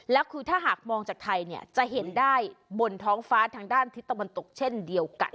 แล้วคือถ้าหากมองจากไทยเนี่ยจะเห็นได้บนท้องฟ้าทางด้านทิศตะวันตกเช่นเดียวกัน